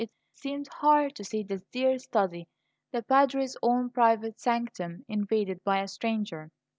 It seemed hard to see this dear study, the Padre's own private sanctum, invaded by a stranger.